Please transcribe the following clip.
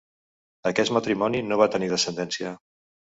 Aquest matrimoni no va tenir descendència.